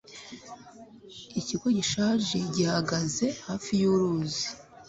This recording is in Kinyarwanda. Ikigo gishaje gihagaze hafi yuruzi.